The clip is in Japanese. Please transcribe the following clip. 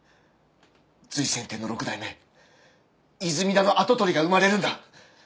瑞泉亭の６代目泉田の跡取りが生まれるんだ。